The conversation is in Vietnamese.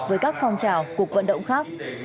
với các phong trào cuộc vận động khác